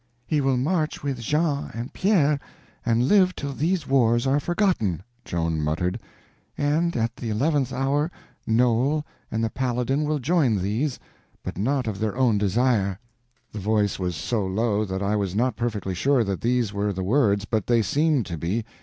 "He will march with Jean and Pierre, and live till these wars are forgotten," Joan muttered; "and at the eleventh hour Noel and the Paladin will join these, but not of their own desire." The voice was so low that I was not perfectly sure that these were the words, but they seemed to be.